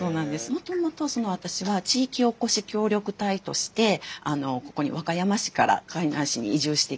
もともと私は地域おこし協力隊としてここに和歌山市から海南市に移住してきたんです。